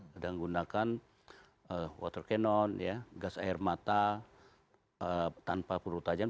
sedang gunakan water cannon gas air mata tanpa peluru tajam